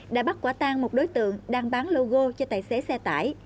đã bắt quả tan một đối tượng đang bán logo cho tài xế xe tải